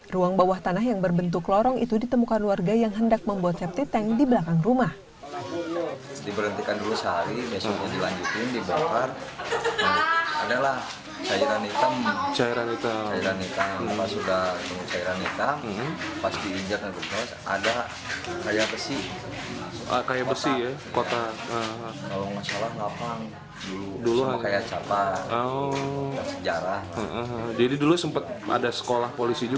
ruang bawah tanah yang berbentuk lorong itu ditemukan warga yang hendak membuat septic tank di belakang rumah